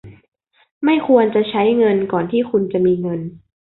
ไม่ควรจะใช้เงินก่อนที่คุณจะมีเงิน